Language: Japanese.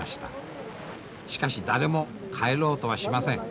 しかし誰も帰ろうとはしません。